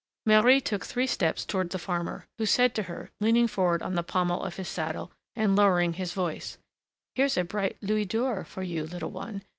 Marie took three steps toward the farmer, who said to her, leaning forward on the pommel of his saddle, and lowering his voice: "Here's a bright louis d'or for you, little one!